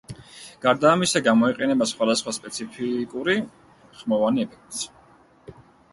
გარდა ამისა, გამოიყენება სხვადასხვა სპეციფიკური ხმოვანი ეფექტიც.